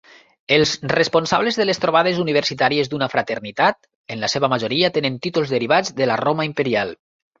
Els responsables de les trobades universitàries d'una fraternitat, en la seva majoria tenen títols derivats de la Roma imperial.